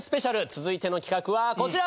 続いての企画はこちら！